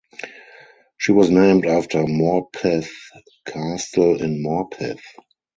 She was named after Morpeth Castle in Morpeth.